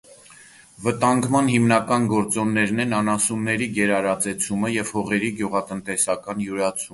Վտանգման հիմնական գործոններն են անասունների գերարածեցումը և հողերի գյուղատնտեսական յուրացումը։